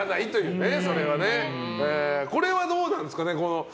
これはどうなんですかね。